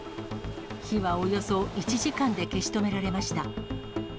火はおよそ１時間で消し止められました。